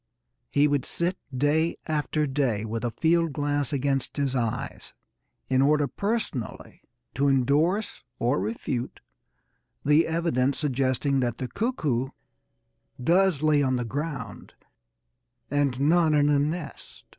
He would sit day after day with a field glass against his eyes in order personally to endorse or refute the evidence suggesting that the cuckoo does lay on the ground and not in a nest.